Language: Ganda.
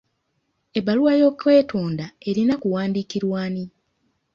Ebbaluwa y'okwetonda erina kuwandiikirwa ani?